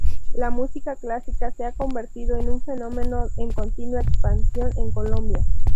La música clásica se ha convertido en un fenómeno en continua expansión en Colombia.